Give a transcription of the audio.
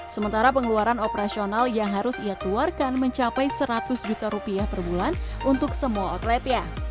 sementara pengeluaran operasional yang harus ia keluarkan mencapai seratus juta rupiah per bulan untuk semua outletnya